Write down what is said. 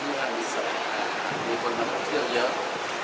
มีคนมาเที่ยวเยอะ